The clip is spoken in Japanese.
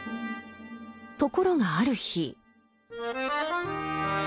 ところがある日。